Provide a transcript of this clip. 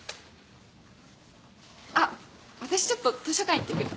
あっ私ちょっと図書館行ってくる。